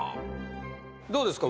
どうですか？